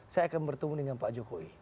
saya akan bertemu dengan pak jokowi